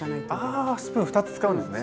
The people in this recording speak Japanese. ああスプーン２つ使うんですね！